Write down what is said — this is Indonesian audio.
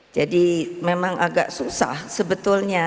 jadi memang agak susah sebetulnya